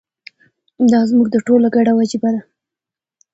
دا زموږ د ټولو ګډه وجیبه ده.